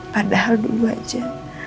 padahal dulu aja